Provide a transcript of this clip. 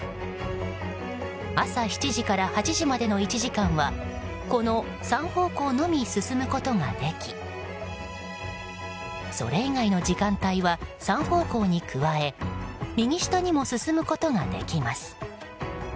朝７時から８時までの１時間はこの３方向のみ進むことができそれ以外の時間帯は３方向に加え右下にも進むことができます。